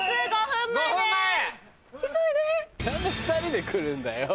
何で２人で来るんだよ。